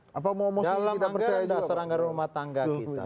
dalam anggaran dasar anggaran rumah tangga kita